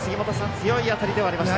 強い当たりではありましたが。